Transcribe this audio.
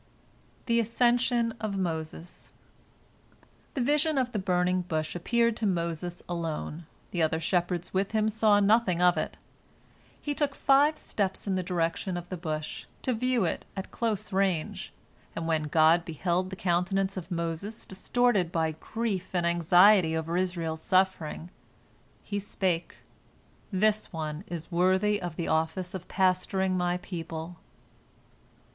THE ASCENSION OF MOSES The vision of the burning bush appeared to Moses alone; the other shepherds with him saw nothing of it. He took five steps in the direction of the bush, to view it at close range, and when God beheld the countenance of Moses distorted by grief and anxiety over Israel's suffering, He spake, "This one is worthy of the office of pasturing My people."